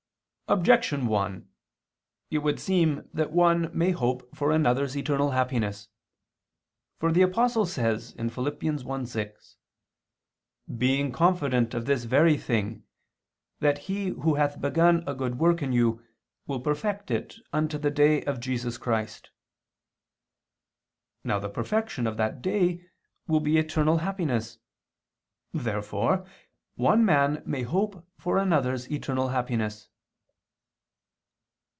Objection 1: It would seem that one may hope for another's eternal happiness. For the Apostle says (Phil. 1:6): "Being confident of this very thing, that He Who hath begun a good work in you, will perfect it unto the day of Jesus Christ." Now the perfection of that day will be eternal happiness. Therefore one man may hope for another's eternal happiness.